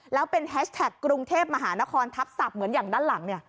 แล้วเป็นแฮชแท็กกรุงเทพมหานครทับศัพท์เหมือนอย่างด้านหลัง